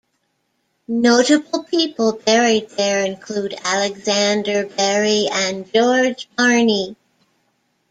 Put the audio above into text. Notable people buried there include Alexander Berry and George Barney.